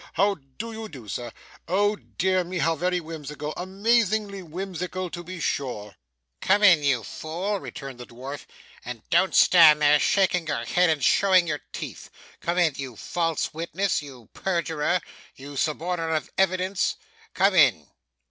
How do you do sir? Oh dear me, how very whimsical! Amazingly whimsical to be sure!' 'Come in, you fool!' returned the dwarf, 'and don't stand there shaking your head and showing your teeth. Come in, you false witness, you perjurer, you suborner of evidence, come in!